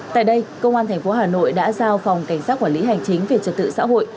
tại đây công an tp hà nội đã giao phòng cảnh sát quản lý hành chính về trật tự xã hội